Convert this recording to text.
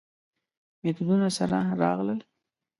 میتودونو سره راغله.